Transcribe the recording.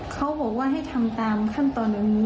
เขาบอกว่าให้ทำตามขั้นตอนอันนี้